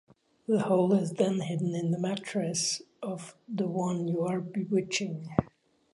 The whole is then hidden in the mattress of the one you are bewitiching.